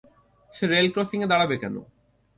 সে rail ক্রসিংয়ে দাঁড়াবে কেন?